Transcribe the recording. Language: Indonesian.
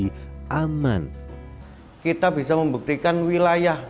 experiment peluang kota surabaya